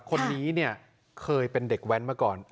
คนนี้เนี่ยเคยเป็นเด็กแว้นมาก่อน